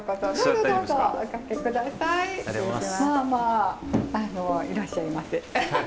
まあまあいらっしゃいませ。